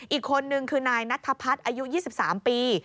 อีกคนนึงคือนายนัทพัฒน์อายุ๒๓ปี